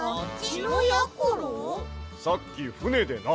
さっきふねでな